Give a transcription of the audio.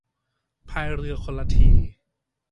พายเรือคนละที